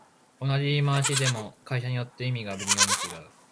同じ言い回しでも会社によって意味が微妙に違う